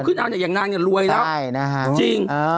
ขึ้นเอาขึ้นเอาอย่างนั้นเนี่ยรวยแล้วจริง